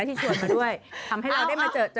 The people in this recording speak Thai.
ที่ชวนมาด้วยทำให้เราได้มาเจอ